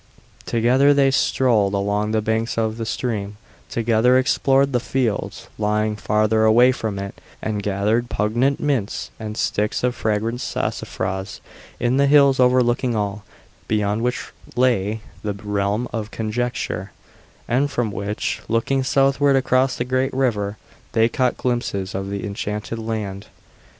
Together they strolled along the banks of the stream; together explored the fields lying farther away from it, and gathered pungent mints and sticks of fragrant sassafras in the hills overlooking all beyond which lay the Realm of Conjecture, and from which, looking southward across the great river, they caught glimpses of the Enchanted Land.